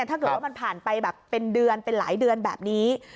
ถ้าเกิดว่ามันผ่านไปแบบเป็นเดือนเป็นหลายเดือนแบบนี้